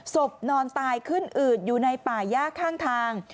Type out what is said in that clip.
นอนตายขึ้นอืดอยู่ในป่าย่าข้างทาง